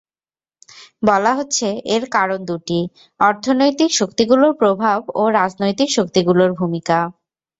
বলা হচ্ছে এর কারণ দুটি অর্থনৈতিক শক্তিগুলোর প্রভাব ও রাজনৈতিক শক্তিগুলোর ভূমিকা।